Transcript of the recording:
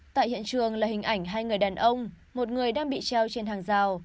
tại hiện trường là hình ảnh hai người đàn ông một người đang bị treo trên hàng rào